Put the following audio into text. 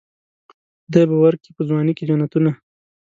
خدای به ورکي په ځوانۍ کې جنتونه.